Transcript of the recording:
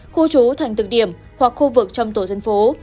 khu trú thành từng điểm hoặc khu vực trong tổ dân phố